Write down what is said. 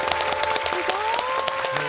すごい！